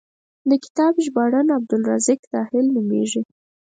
د کتاب ژباړن عبدالرزاق راحل نومېږي.